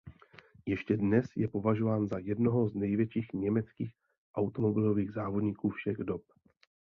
Ještě dnes je považován za jednoho z největších německých automobilových závodníků všech dob.